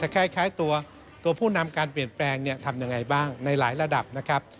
คล้ายตัวผู้นำการเปลี่ยนแปลงเนี่ยทำยังไงบ้างในหลายระดับนะครับ